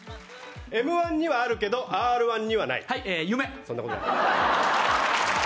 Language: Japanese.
「Ｍ‐１」にはあるけど「Ｒ‐１」にはない。